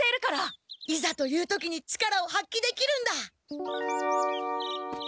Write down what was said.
いざという時に力をはっきできるんだ！